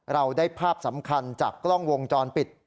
เราได้ภาพสำคัญจากกล้องวงจรปิด